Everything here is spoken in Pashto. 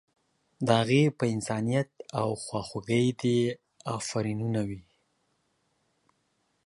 د هغې په انسانیت او خواخوږۍ دې افرینونه وي.